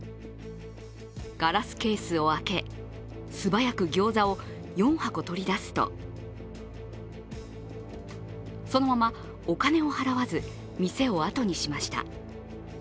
ガラスケースを開け、素早くギョーザを４箱取り出すとそのまま、お金を払わず店を後にしました。